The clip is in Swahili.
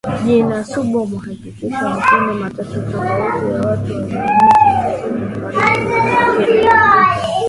Jina Suba huwakilisha makundi matatu tofauti ya watu wanaoishi Kusini Magharibi mwa Kenya katika